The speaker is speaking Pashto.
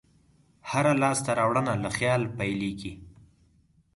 هره لاسته راوړنه له خیال پیلېږي.